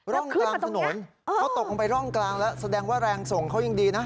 ร่องกลางถนนเขาตกลงไปร่องกลางแล้วแสดงว่าแรงส่งเขายังดีนะ